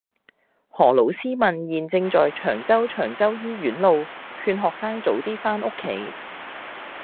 何老師問現正在長洲長洲醫院路勸學生早啲返屋企